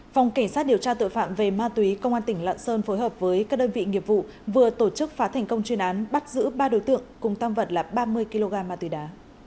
phòng cảnh sát điều tra tội phạm về ma túy công an tỉnh lạng sơn phối hợp với các đơn vị nghiệp vụ vừa tổ chức phá thành công chuyên án bắt giữ ba đối tượng cùng tam vật là ba mươi kg ma túy đá